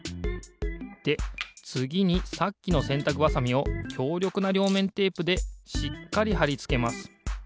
でつぎにさっきのせんたくばさみをきょうりょくなりょうめんテープでしっかりはりつけます。